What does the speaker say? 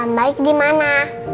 om baik di mana